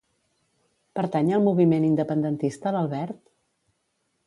Pertany al moviment independentista l'Albert?